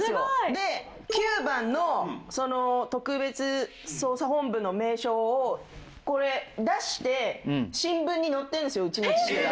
で９番の特別捜査本部の名称をこれ出して新聞に載ってるんですようちの父が。